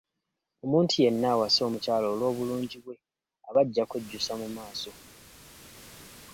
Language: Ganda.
Omuntu yenna awasa omukyala olw'obulungi bwe aba ajja kwejjusa mu maaso.